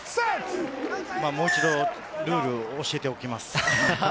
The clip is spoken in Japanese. もう一度、ルールをお伝えしておきます。